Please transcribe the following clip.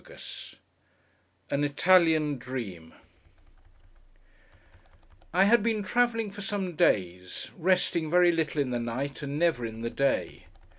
AN ITALIAN DREAM I HAD been travelling, for some days; resting very little in the night, and never in the day.